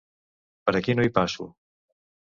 Per aquí no hi passo!